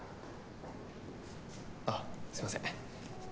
あすいません。